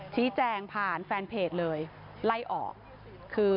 ชี้แจงผ่านแฟนเพจเลยไล่ออกคือ